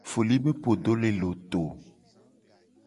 Foli be podo le loto.